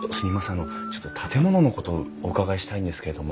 あのちょっと建物のことお伺いしたいんですけれども。